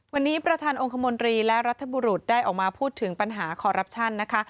วันนี้ประธานองค์คมนตรีและรัฐบุรุษได้ออกมาพูดถึงปัญหาคอรัปชั่นนะคะ